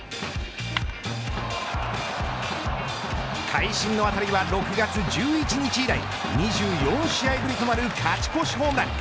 会心の当たりは６月１１日以来２４試合ぶりとなる勝ち越しホームラン。